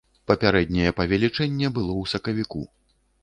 Папярэдняе павелічэнне было ў сакавіку.